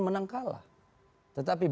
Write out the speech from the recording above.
menang kalah tetapi